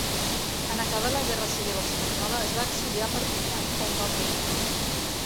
En acabar la guerra civil espanyola es va exiliar a Perpinyà, on va morir.